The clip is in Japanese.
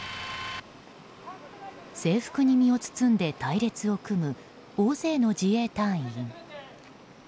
制服に身を包んで隊列を組む大勢の自衛隊員。